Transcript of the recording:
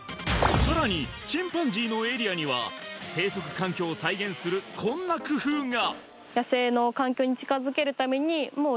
さらにチンパンジーのエリアには生息環境を再現するこんな工夫が！